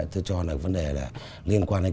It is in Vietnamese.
tôi cho là vấn đề là liên quan đến